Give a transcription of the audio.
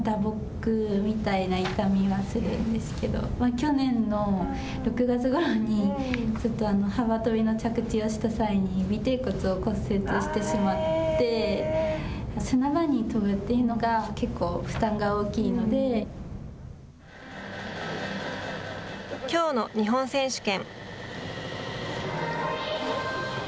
去年の６月ごろにちょっと幅跳びの着地をした際に尾てい骨を骨折してしまって砂場に跳ぶというのがきょうの日本選手権。